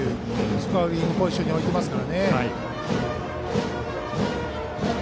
スコアリングポジションに置いていますからね。